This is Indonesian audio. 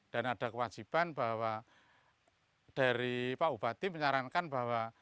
dan ada kewajiban bahwa dari pak upati menyarankan bahwa